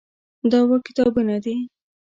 دا اووه کتابونه دي.